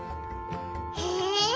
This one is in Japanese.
へえ！